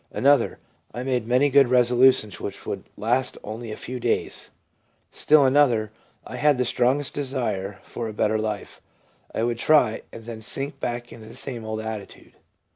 Another, ' I made many good resolutions, which would last only a few days.' Still another, * I had the strongest desire for a better life ; I would try, and then sink back into the same old attitude.